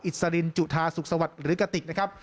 อิสรินจุธาสุขศวรรษหรือกติกนะครับ